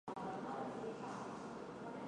建设开发股份有限公司